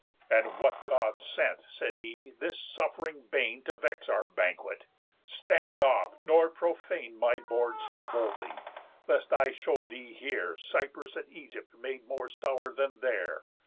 "And what God sent," said he, "this suff'ring bane To vex our banquet? Stand off, nor profane My board so boldly, lest I show thee here Cyprus and Egypt made more sour than there.